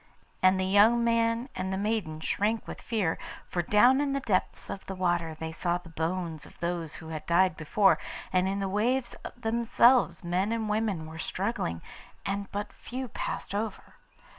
And the young man and the maiden shrank with fear, for down in the depths of the water they saw the bones of those who had died before, and in the waves themselves men and women were struggling, and but few passed over.